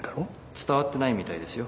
伝わってないみたいですよ。